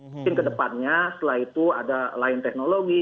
mungkin ke depannya setelah itu ada lain teknologi